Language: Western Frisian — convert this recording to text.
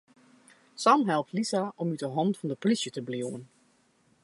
Sam helpt Lisa om út 'e hannen fan de polysje te bliuwen.